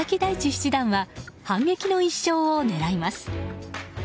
七段は反撃の１勝を狙います。